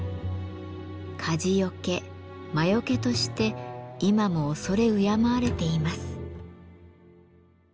火事よけ魔よけとして今も畏れ敬われています。